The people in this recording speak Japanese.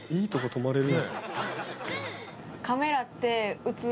泊まれる。